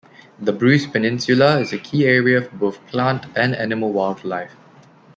The Bruce Peninsula is a key area for both plant and animal wildlife.